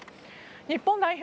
日本代表